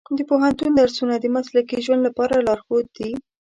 د پوهنتون درسونه د مسلکي ژوند لپاره لارښود دي.